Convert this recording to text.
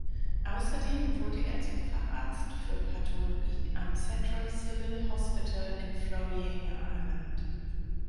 Außerdem wurde er zum Facharzt für Pathologie am "Central Civil Hospital" in Floriana ernannt.